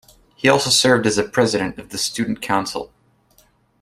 He also served as a president of the student council.